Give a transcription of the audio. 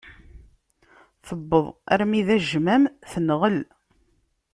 Tewweḍ armi d ajmam, tenɣel.